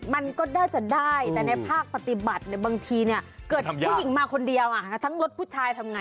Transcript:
มันก็น่าจะได้แต่ในภาคปฏิบัติบางทีเกิดผู้หญิงมาคนเดียวทั้งรถผู้ชายทำไง